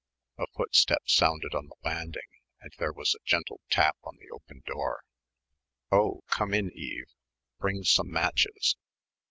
A footstep sounded on the landing and there was a gentle tap on the open door. "Oh, come in, Eve bring some matches.